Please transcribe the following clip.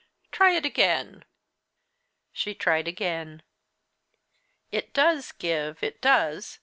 Try it again." She tried again. "It does give it does!